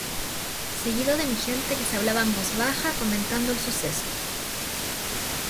seguido de mi gente que se hablaba en voz baja comentando el suceso.